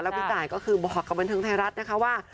พี่ตายก็คือบอกกับบันเทิงไทยรัฐนะคะว่า